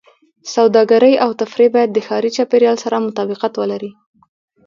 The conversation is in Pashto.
سوداګرۍ او تفریح باید د ښاري چاپېریال سره مطابقت ولري.